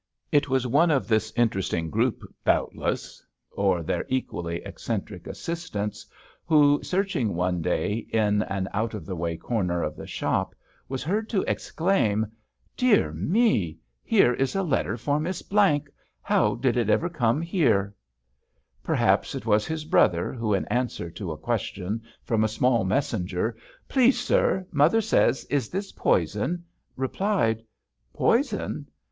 It was one of this interesting group, doubtless, or their equally eccentric assistants who, searching one day in an out of the way corner of the shop, was heard to exclaim : "Dear me! Here is a letter for Miss Blank. How ever did it come here?" Perhaps it was his brother, who in answer to a question from a small messenger: "Please, sir, mother says, is this poison?" replied : "Poison?